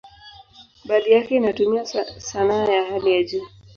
Baadhi yake inatumia sanaa ya hali ya juu.